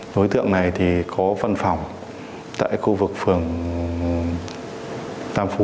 đối tượng này thì có văn phòng tại khu vực phường tam phú